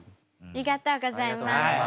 ありがとうございます。